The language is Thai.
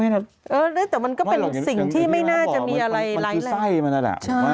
เออไม่ได้แต่มันก็เป็นสิ่งที่ไม่น่าจะมีอะไรแรง